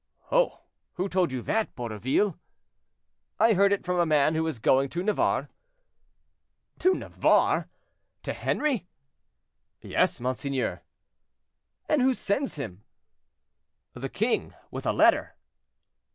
"Oh! who told you that, Borroville?" "I heard it from a man who is going to Navarre." "To Navarre! to Henri?" "Yes, monseigneur." "And who sends him?" "The king, with a letter."